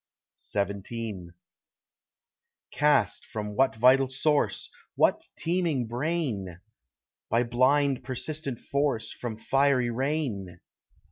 XVII Cast from what vital source—what teeming brain? By blind persistent force—from fiery rain?